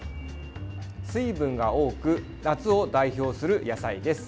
水分が多く夏を代表する野菜です。